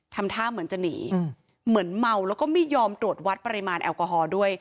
ทำท่าเหมือนจะหนีเหมือนเมาแล้วก็ไม่ยอมตรวจวัดปริมาณแอลกอฮอล์ด้วย